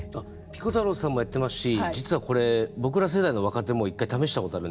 ピコ太郎さんもやってますし実はこれ僕ら世代の若手もなるほど。